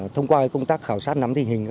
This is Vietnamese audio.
thông qua công tác khảo sát nắm thị hình